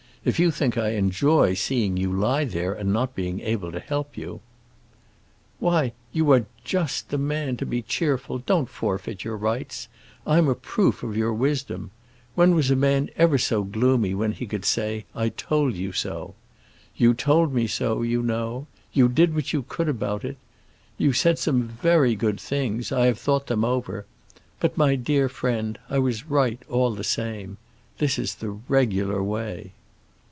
If you think I enjoy seeing you lie there and not being able to help you"— "Why, you are just the man to be cheerful; don't forfeit your rights! I'm a proof of your wisdom. When was a man ever gloomy when he could say, 'I told you so?' You told me so, you know. You did what you could about it. You said some very good things; I have thought them over. But, my dear friend, I was right, all the same. This is the regular way."